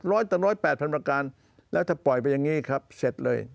ร้อยต่อร้อยแปดพันประการแล้วถ้าปล่อยไปอย่างนี้ครับเสร็จเลย